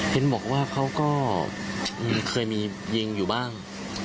เห็นบอกว่าเขาก็เคยมียิงอยู่บ้าง